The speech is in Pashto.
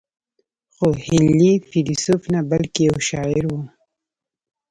خو هنلي فيلسوف نه بلکې يو شاعر و.